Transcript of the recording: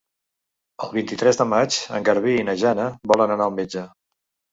El vint-i-tres de maig en Garbí i na Jana volen anar al metge.